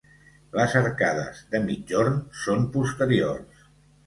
Les arcades de migjorn són posteriors.